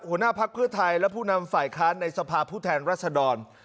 หัวหน้าภักดิ์เพื่อไทยและผู้นำฝ่ายค้านในสภาพผู้แทนรัศดร